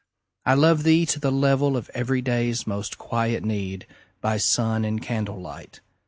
I love thee to the level of everyday's Most quiet need, by sun and candlelight.